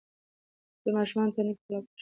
خپلو ماشومانو ته نیک اخلاق وښایاست.